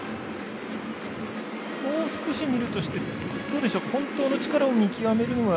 もう少し見るとして本当の力を見極めるのは